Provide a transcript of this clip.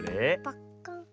パッカーン。